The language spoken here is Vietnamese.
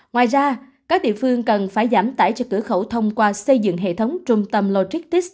ngoài ra các địa phương cần phải giảm tải cho cửa khẩu thông qua xây dựng hệ thống trung tâm logistics